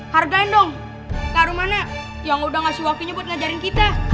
hargain dong karun mana yang udah ngasih wakinya buat ngajarin kita